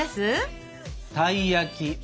たい焼き